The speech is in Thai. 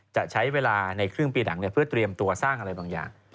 จะใช้เวลาในครึ่งปีหนังเพื่อเตรียมตัวสร้างอะไรบางอย่าง